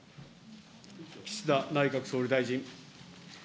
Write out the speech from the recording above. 岸田内閣総理大臣。